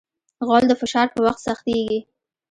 غول د فشار په وخت سختېږي.